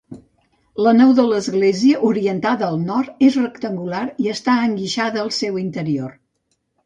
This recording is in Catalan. La nau de l'església, orientada al nord, és rectangular i està enguixada al seu interior.